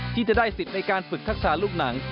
ที่จะได้สิทธิ์ในการฝึกทักษาลูกหนัง